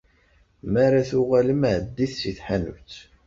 Mi ara tuɣalem, ɛeddit si tḥanut.